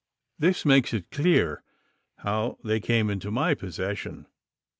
This makes it clear how they came into my possession.